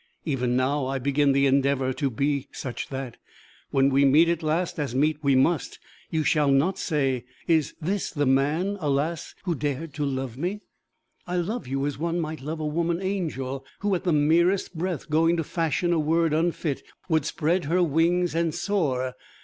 Even now I begin the endeavour to be such that, when we meet at last, as meet we must, you shall not say, 'Is this the man, alas, who dared to love me!' "I love you as one might love a woman angel who, at the merest breath going to fashion a word unfit, would spread her wings and soar.